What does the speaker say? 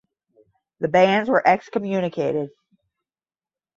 The bands were excommunicated.